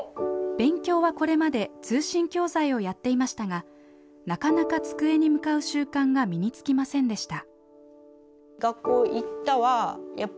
勉強はこれまで通信教材をやっていましたがなかなか机に向かう習慣が身につきませんでした。